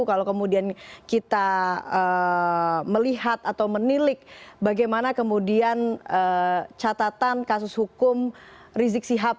kalau kemudian kita melihat atau menilik bagaimana kemudian catatan kasus hukum rizik sihab